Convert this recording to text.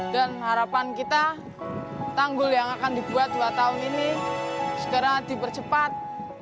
dan harapan kita tanggul yang akan dibuat dua tahun ini segera dipercepat